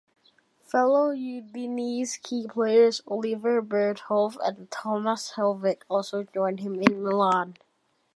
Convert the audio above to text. Fellow Udinese key players Oliver Bierhoff and Thomas Helveg also joined him in Milan.